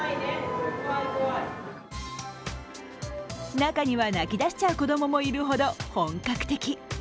中には泣き出しちゃう子供もいるほど本格的。